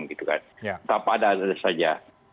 kita pada saja